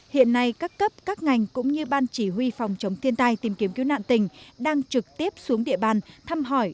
hiện nay các cấp các ngành cũng như ban chỉ huy phòng chống thiên tai tìm kiếm cứu nạn tỉnh đang trực tiếp xuống địa bàn thăm hỏi